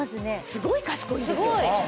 すごい賢いんですよ。